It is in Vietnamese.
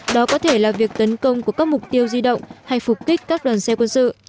đó có thể là việc tấn công của các mục tiêu di động hay phục kích các đoàn xe quân sự